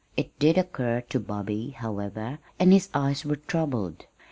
It did occur to Bobby, however, and his eyes were troubled.